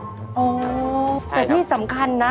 แต่ที่สำคัญนะ